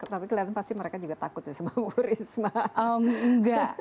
tapi kelihatan pasti mereka juga takut ya sama bu risma